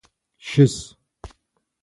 Щыс!